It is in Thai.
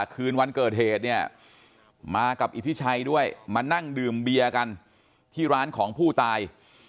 คืนวันเกิดเหตุเนี่ยมากับอิทธิชัยด้วยมานั่งดื่มเบียร์กันที่ร้านของผู้ตาย